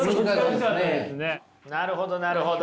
なるほどなるほど。